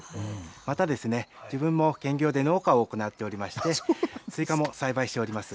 また自分も農業を行っておりまして、スイカも栽培しております。